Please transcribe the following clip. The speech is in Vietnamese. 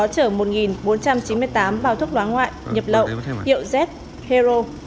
có trở một bốn trăm chín mươi tám vào thuốc loá ngoại nhập lộ hiệu z hero